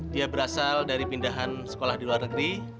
dia berasal dari pindahan sekolah di luar negeri